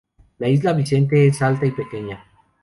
La isla Vicente es alta y pequeña.